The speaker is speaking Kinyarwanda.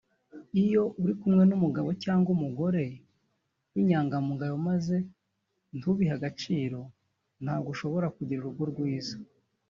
Iyo uri kumwe n’umugabo cyangwa umugore w’inyangamugayo maze ntubihe agaciro ntabwo ushobora kugira urugo rwiza